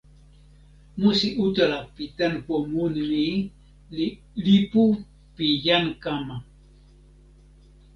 musi utala pi tenpo mun ni li "lipu pi jan kama".